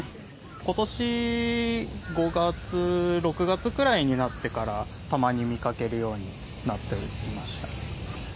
ことし５月、６月くらいになってから、たまに見かけるようになっていきました。